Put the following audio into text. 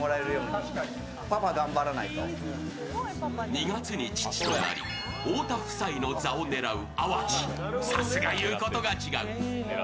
２月に父となり太田夫妻の座を狙う淡路、さすが言うことが違う。